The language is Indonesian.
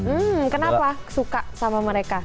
hmm kenapa suka sama mereka